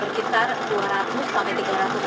harga beras turunnya masih bertengger di harga tinggi